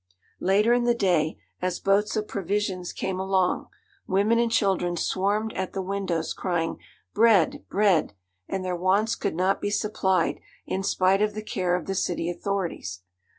Later in the day, as boats of provisions came along, women and children swarmed at the windows, crying, 'Bread! bread!' and their wants could not be supplied in spite of the care of the city authorities.